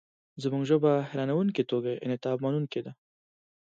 زموږ ژبه حیرانوونکې توګه انعطافمنونکې ده.